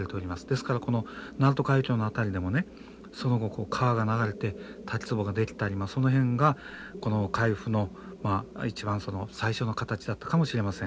ですからこの鳴門海峡の辺りでもねその後川が流れて滝つぼが出来たりその辺がこの海釜の一番最初の形だったかもしれません。